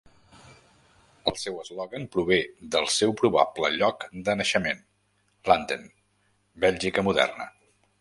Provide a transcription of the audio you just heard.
El seu eslògan prové del seu probable lloc de naixement: Landen, Bèlgica moderna.